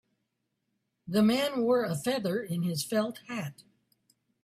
The man wore a feather in his felt hat.